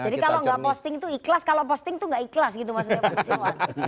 jadi kalau gak posting itu ikhlas kalau posting itu gak ikhlas gitu maksudnya pak sirwan